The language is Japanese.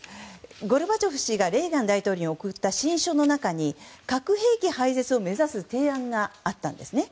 ゴルバチョフ氏がレーガン大統領に送った親書の中に核兵器廃絶を目指す提案があったんですね。